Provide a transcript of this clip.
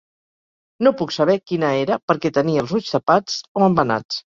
No puc saber quina era perquè tenia els ulls tapats o embenats.